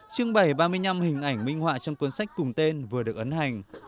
trưng bày ba mươi năm hình ảnh minh họa trong cuốn sách cùng tên vừa được ấn hành